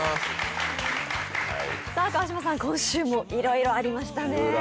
川島さん、今週もいろいろありましたね。